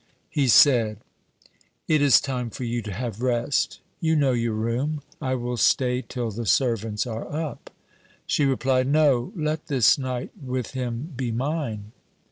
He said: 'It is time for you to have rest. You know your room. I will stay till the servants are up.' She replied: 'No, let this night with him be mine.'